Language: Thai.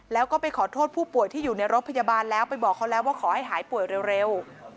แล้วก็ไปขอโทษผู้ป่วยที่อยู่ในรถพยาบาลแล้วไปบอกเขาแล้วว่าขอให้หายป่วยเร็ว